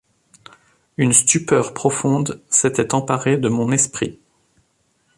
Une stupeur profonde s’était emparée de mon esprit.